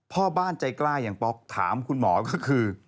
พ่อบ้านใจกล้าอย่างป๊อกถามคุณหมอก็คือ